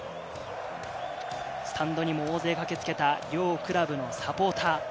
スタンドにも大勢駆けつけた両クラブのサポーター。